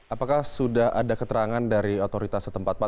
apakah sudah ada keterangan dari otoritas setempat pak